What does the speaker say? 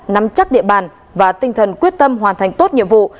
nắm chắc địa bàn và tinh thần quyết tâm hoàn thành tốt nhiệm vụ